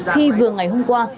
khi vừa ngày hôm qua